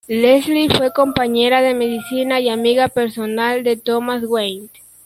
Leslie fue compañera de medicina y amiga personal de Thomas Wayne.